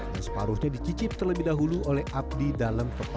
yang separuhnya dicicip terlebih dahulu oleh abdidalem kepala